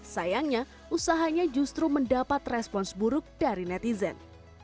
sayangnya usahanya justru mendapat respons buruk dari netizen